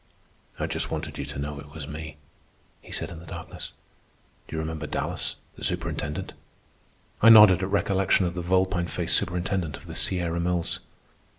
"I just wanted you to know it was me," he said in the darkness. "D'you remember Dallas, the superintendent?" I nodded at recollection of the vulpine faced superintendent of the Sierra Mills.